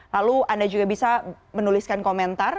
lalu anda juga bisa menuliskan komentar